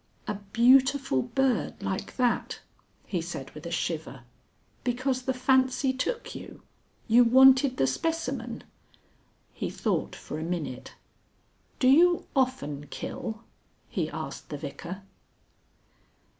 "A beautiful bird like that!" he said with a shiver. "Because the fancy took you. You wanted the specimen!" He thought for a minute. "Do you often kill?" he asked the Vicar.